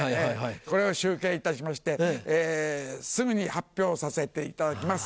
これを集計いたしましてすぐに発表させていただきます。